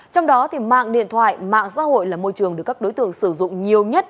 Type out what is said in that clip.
trong đó mạng điện thoại mạng xã hội là môi trường được các đối tượng sử dụng nhiều nhất